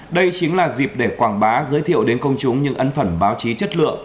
đây chính là dịp để quảng bá giới thiệu đến công chúng những ấn phẩm báo chí chất lượng